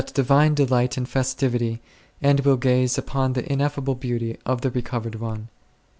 divine delight and festivity, and will gaze upon the ineffable beauty of the recovered one.